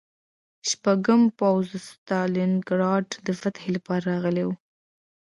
شپږم پوځ د ستالینګراډ د فتحې لپاره راغلی و